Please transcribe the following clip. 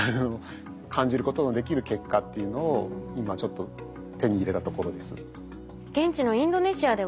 感じることのできる結果っていうのを今ちょっと手に入れたところです。